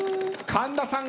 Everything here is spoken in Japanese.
神田さん。